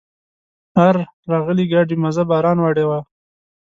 آر راغلي ګاډي مزه باران وړې وه.